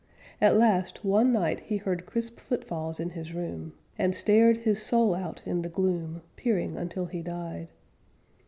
At last, one night He heard crisp footfalls in his room, And stared his soul out in the gloom, Peering until he died.